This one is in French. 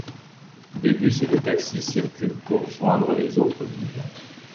Des bus et des taxis circulent pour joindre les autres villes.